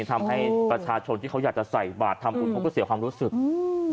ทำให้ประชาชนที่เขาอยากจะใส่บาททำบุญเขาก็เสียความรู้สึกอืม